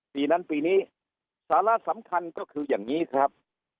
ปีนั้นปีนี้สาระสำคัญก็คืออย่างนี้ครับ